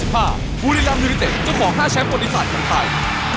ภูริรัมท์๑๗เจ้าของ๕แชมป์บนดีไซน์ของไทร